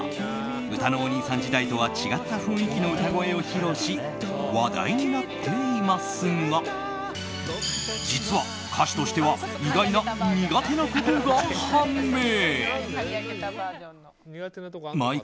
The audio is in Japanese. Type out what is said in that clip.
うたのおにいさん時代とは違った雰囲気の歌声を披露し話題になっていますが実は、歌手としては意外な苦手なことが判明。